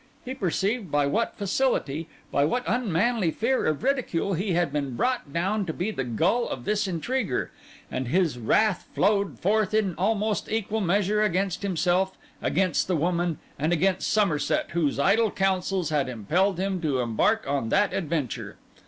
He perceived by what facility, by what unmanly fear of ridicule, he had been brought down to be the gull of this intriguer; and his wrath flowed forth in almost equal measure against himself, against the woman, and against Somerset, whose idle counsels had impelled him to embark on that adventure.